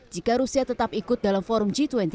jika rusia tetap ikut dalam forum g dua puluh